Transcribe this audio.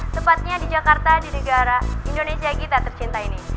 tepatnya di jakarta di negara indonesia kita tercinta ini